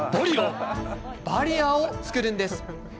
バリアーを作るんです。